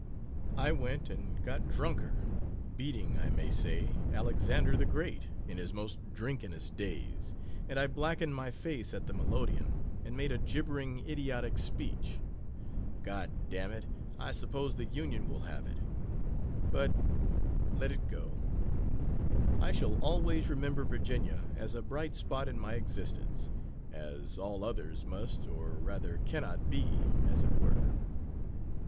I went and got drunker, beating, I may say, Alexander the Great, in his most drinkinist days, and I blackened my face at the Melodeon, and made a gibbering, idiotic speech. God dam it! I suppose the Union will have it. But let it go. I shall always remember Virginia as a bright spot in my existence, as all others must or rather cannot be, as it were.